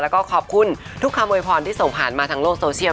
แล้วก็ขอบคุณทุกคำโวยพรที่ส่งผ่านมาทางโลกโซเชียล